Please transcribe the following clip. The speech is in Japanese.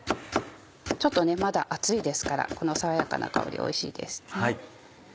ちょっとまだ暑いですからこの爽やかな香りおいしいです。